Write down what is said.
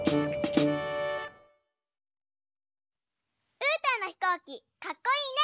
うーたんのひこうきかっこいいね！